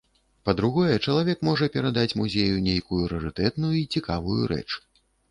Па-другое, чалавек можа перадаць музею нейкую рарытэтную і цікавую рэч.